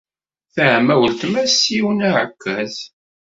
Teɛma weltma-s s yiwen n uɛekkaz.